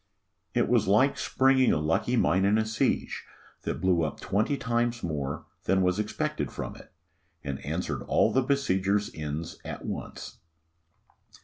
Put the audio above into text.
It was like springing a lucky mine in a siege, that blew up twenty times more than was expected from it, and answered all the besiegers' ends at once.